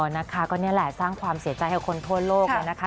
นะคะก็นี่แหละสร้างความเสียใจให้คนทั่วโลกแล้วนะคะ